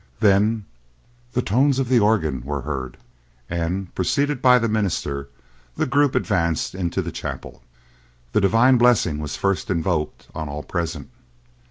Then the tones of the organ were heard, and, preceded by the minister, the group advanced into the chapel. The Divine blessing was first invoked on all present.